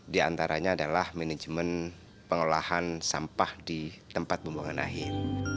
di antaranya adalah manajemen pengolahan sampah di tempat pembuangan akhir